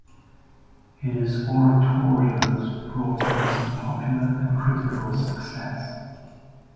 His oratorios brought him some popular and critical success.